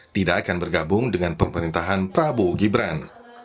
tidak akan bergabung dengan pemerintahan prabowo gibran